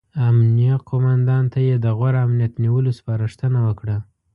امنیه قوماندان ته یې د غوره امنیت نیولو سپارښتنه وکړه.